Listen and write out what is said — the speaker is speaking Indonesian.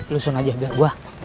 lusun aja biar gue